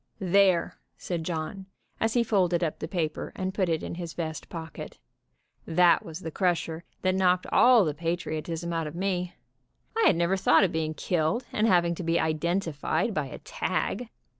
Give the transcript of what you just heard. "There," said John, as he folded up the paper and put it in his vest pocket, "that was the crusher that knocked all the patriotism out of me. I had never thought of being killed, and having to be identified by a tag.